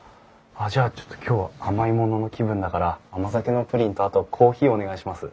あっじゃあちょっと今日は甘いものの気分だから甘酒のプリンとあとコーヒーお願いします。